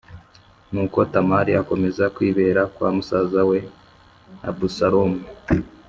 Nuko Tamari akomeza kwibera kwa musaza we Abusalomu